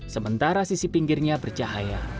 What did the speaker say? sementara sisi pinggirnya bercahaya